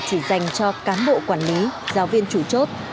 chỉ dành cho cán bộ quản lý giáo viên chủ chốt